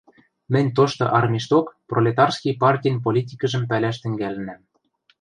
Мӹнь тошты армишток пролетарский партин политикӹжӹм пӓлӓш тӹнгӓлӹнӓм.